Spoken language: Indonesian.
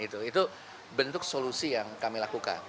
itu bentuk solusi yang kami lakukan